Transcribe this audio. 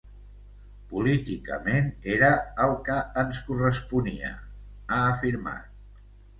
Políticament era el que ens corresponia, ha afirmat.